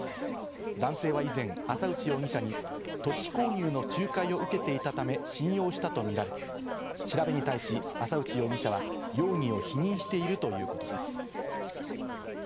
男性は以前、浅内容疑者に土地購入の仲介をけていたため信用したとみられ、調べに対し浅内容疑者は容疑を否認しているということです。